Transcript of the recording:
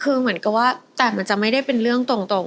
คือเหมือนกับว่าแต่มันจะไม่ได้เป็นเรื่องตรง